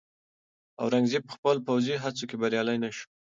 اورنګزېب په خپلو پوځي هڅو کې بریالی نه شو.